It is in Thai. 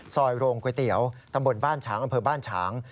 โรงก๋วยเตี๋ยวตำบลบ้านฉางอำเภอบ้านฉาง